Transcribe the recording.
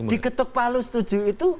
diketuk palu setuju itu